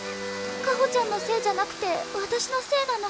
香穂ちゃんのせいじゃなくて私のせいなの。